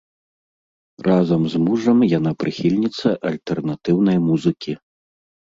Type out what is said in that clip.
Разам з мужам яна прыхільніца альтэрнатыўнай музыкі.